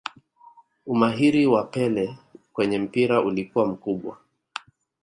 Umahiri waa pele kwenye mpira ulikuwa mkubwa